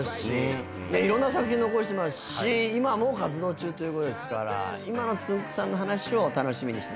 いろんな作品残してますし今も活動中ということですから今のつんく♂さんの話を楽しみにしてまいりたいと思います。